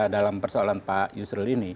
dalam persoalan pak yusril ini